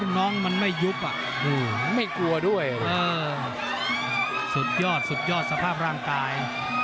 สุดยอดสุดยอดสภาพร่างกาย